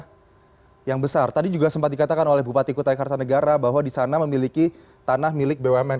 ini juga besar tadi juga sempat dikatakan oleh bupati kota negara bahwa di sana memiliki tanah milik bumn